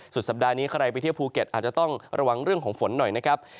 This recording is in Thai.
สุดสัปดาห์นี้ใครไปเที่ยวภูเก็ตอาจจะต้องระวังเรื่องของฝนหน่อยนะครับ